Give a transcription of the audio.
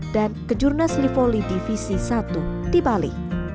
dan kejurnas li voli divisi satu di bali